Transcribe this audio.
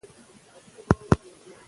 د تشناب دستکشې پاکې وساتئ.